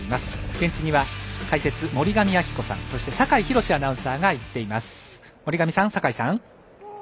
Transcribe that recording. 現地には解説・森上亜希子さんそして酒井博司アナウンサーが行っています。